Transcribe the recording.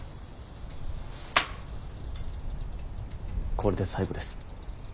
これで最後です。